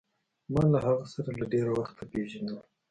ما له هغه سره له ډېره وخته پېژندل.